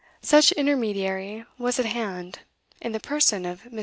Such intermediary was at hand, in the person of Miss.